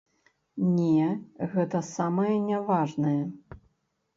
Не, гэта самая няважная.